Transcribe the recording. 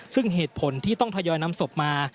ซึ่งเหตุผลที่ต้องทยอยนำศพมา